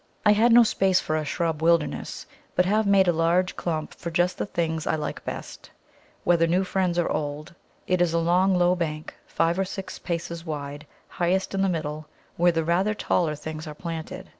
] I had no space for a shrub wilderness, but have made a large clump for just the things I like best, whether new friends or old. It is a long, low bank, five or six paces wide, highest in the middle, where the rather taller things are planted.